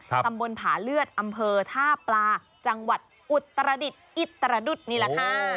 ตำบลผาเลือดอำเภอท่าปลาจังหวัดอุตรดิตอิตรดุษนิรทา